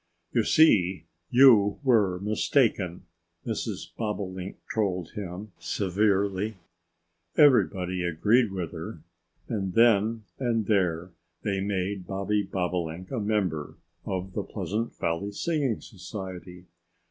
"You see you were mistaken," Mrs. Bobolink told him severely. Everybody agreed with her. And then and there they made Bobby Bobolink a member of the Pleasant Valley Singing Society.